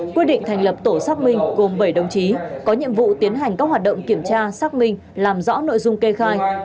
quyết định thành lập tổ xác minh gồm bảy đồng chí có nhiệm vụ tiến hành các hoạt động kiểm tra xác minh làm rõ nội dung kê khai